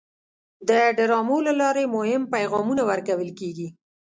د ډرامو له لارې مهم پیغامونه ورکول کېږي.